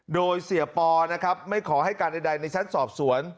โดยเสียปอนะครับไม่ขอให้การใดในชั้นสอบสวน